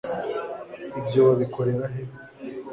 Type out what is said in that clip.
ibyo babikorera he